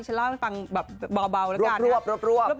ฉันราวให้ฟังแบบเบาแล้วกันนะรวบรวบ